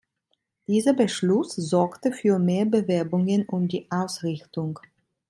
Dieser Beschluss sorgte für mehr Bewerbungen um die Ausrichtung.